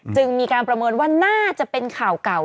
จึงมีการประเมินว่าน่าจะเป็นข่าวเก่า